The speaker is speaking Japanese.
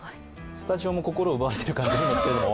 スタジオも心奪われている感じですけれども。